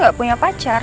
dia gak punya pacar